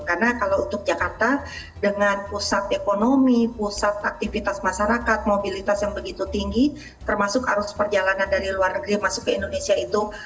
karena kalau untuk jakarta dengan pusat ekonomi pusat aktivitas masyarakat mobilitas yang begitu tinggi termasuk arus perjalanan dari luar negeri masuk ke indonesia itu